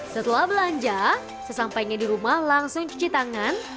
setelah belanja sesampainya di rumah langsung cuci tangan